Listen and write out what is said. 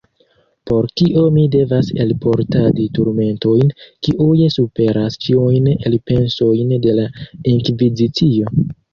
Por kio mi devas elportadi turmentojn, kiuj superas ĉiujn elpensojn de la inkvizicio?